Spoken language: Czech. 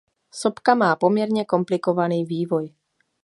Sopka má poměrně komplikovaný vývoj.